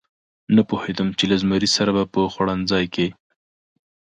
نه پوهېدم چې له زمري سره به په خوړنځای کې.